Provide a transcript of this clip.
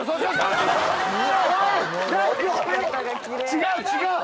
違う違う！